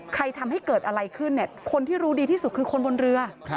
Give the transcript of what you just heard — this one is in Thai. ทำให้เกิดอะไรขึ้นเนี่ยคนที่รู้ดีที่สุดคือคนบนเรือ